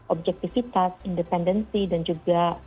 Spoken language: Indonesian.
objektifitas independensi dan juga